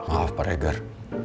maaf pak regar